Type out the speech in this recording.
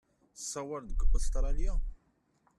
Tessawaleḍ-d seg Ustṛalya?